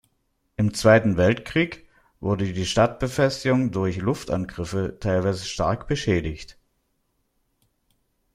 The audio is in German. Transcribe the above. Im Zweiten Weltkrieg wurde die Stadtbefestigung durch Luftangriffe teilweise stark beschädigt.